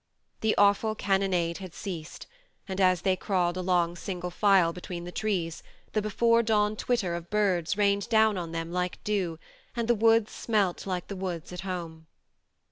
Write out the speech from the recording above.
128 THE MARNE The awful cannonade had ceased, and as they crawled along single file between the trees the before dawn twitter of birds rained down on them like dew, and the woods smelt like the woods at home.